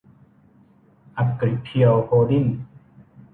อกริเพียว โฮลดิ้งส์